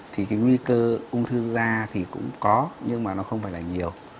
thì nguy cơ ung thư da cũng có nhưng mà nó không phải là nhiều